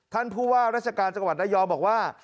ท่านผู้ว่าราชการจังหวัดระยองบอกว่า